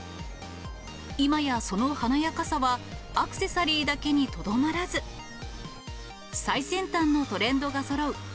今やその華やかさは、アクセサリーだけにとどまらず、最先端のトレンドがそろう